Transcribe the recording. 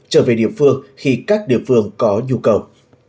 trở về địa phương khi các địa phương có nhu cầu